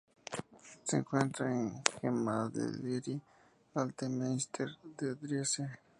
Se encuentra en la Gemäldegalerie Alte Meister de Dresde.